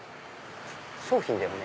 商品だよね？